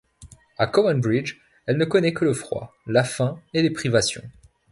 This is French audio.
À Cowan Bridge, elle ne connaît que le froid, la faim et les privations.